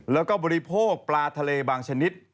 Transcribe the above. แล้วก็บริโภคปลาทะเลบางชนิด